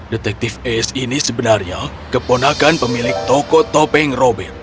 detektif ace ini sebenarnya keponakan pemilik toko topeng robert